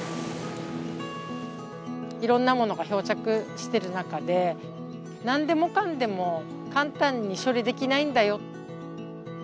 色んなものが漂着している中でなんでもかんでも簡単に処理できないんだよ。